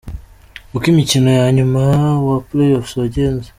Uko imikino ya nyuma wa Playoffs yagenze.